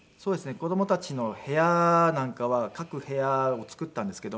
子供たちの部屋なんかは各部屋を作ったんですけども。